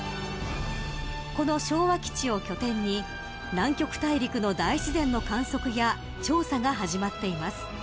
この昭和基地を拠点に南極大陸の大自然の観測や調査が始まっています。